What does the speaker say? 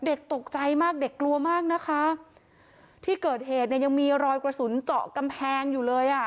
เด็กตกใจมากเด็กกลัวมากนะคะที่เกิดเหตุเนี่ยยังมีรอยกระสุนเจาะกำแพงอยู่เลยอ่ะ